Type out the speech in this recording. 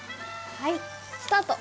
はい。スタート。